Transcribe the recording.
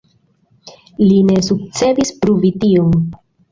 Li ne sukcesis pruvi tion.